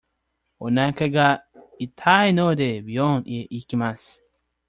おなかが痛いので、病院へ行きます。